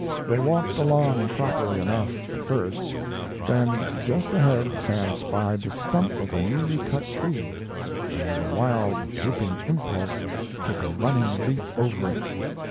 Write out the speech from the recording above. They walked along properly enough, at first, then just ahead Sam spied the stump of a newly cut tree, and with a wild whooping impulse took a running leap over it.